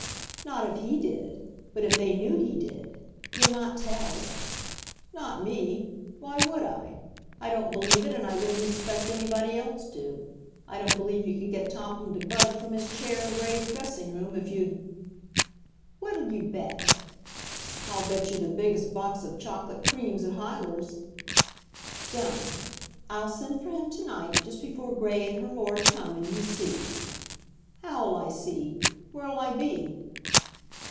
"Not if he did, but if they knew he did. You'll not tell?" "Not me. Why would I? I don't believe it, and I wouldn't expect anybody else to. I don't believe you could get Topham to budge from his chair in Gray's dressing room if you'd " "What'll you bet?" "I'll bet you the biggest box of chocolate creams at Huyler's." "Done! I'll send for him to night, just before Gray and her Lord come, and you see " "How'll I see? Where'll I be?"